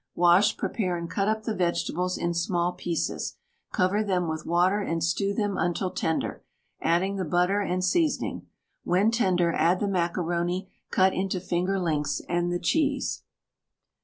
Wash, prepare, and cut up the vegetables in small pieces. Cover them with water and stew them until tender, adding the butter and seasoning. When tender add the macaroni cut into finger lengths, and the cheese.